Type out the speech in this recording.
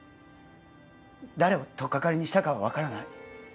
誰をとっかかりにしたかは分からない